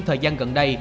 thời gian gần đây